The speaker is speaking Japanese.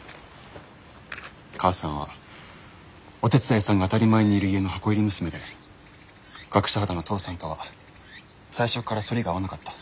母さんはお手伝いさんが当たり前にいる家の箱入り娘で学者肌の父さんとは最初から反りが合わなかった。